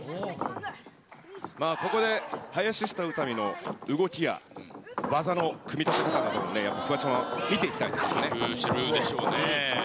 ここで林下詩美の動きや技の組み立て方なども、やっぱりフワちゃんは見ていきたいですよね。